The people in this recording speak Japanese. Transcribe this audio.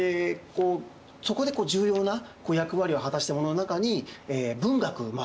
そこで重要な役割を果たしたものの中に文学もあります。